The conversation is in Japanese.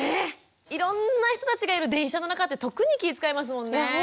いろんな人たちがいる電車の中って特に気遣いますもんねえ。